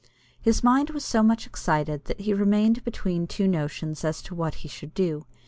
His mind was so much excited that he remained between two notions as to what he should do.